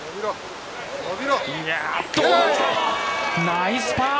ナイスパー。